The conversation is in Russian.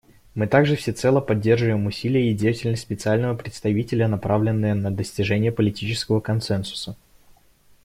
Мы также всецело поддерживаем усилия и деятельность Специального представителя, направленные на достижение политического консенсуса.